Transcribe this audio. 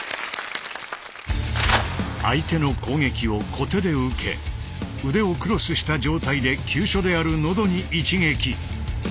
相手の攻撃を籠手で受け腕をクロスした状態で急所である喉に一撃。